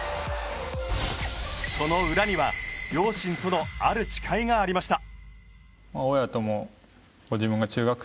その裏には両親とのある誓いがありました。